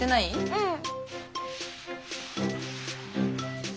うん。